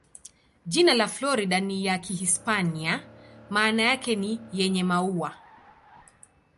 Jina la Florida ni ya Kihispania, maana yake ni "yenye maua".